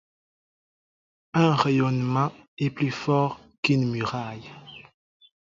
Un rayonnement est plus fort qu'une muraille.